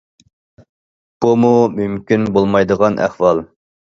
بۇمۇ مۇمكىن بولمايدىغان ئەھۋال.